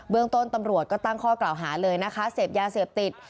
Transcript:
เรื่องต้นตำรวจก็ตั้งข้อกล่าวหาเลยนะคะเสพยาเสพติด